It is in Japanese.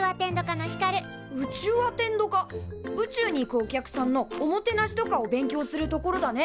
宇宙アテンド科宇宙に行くお客さんのおもてなしとかを勉強するところだね。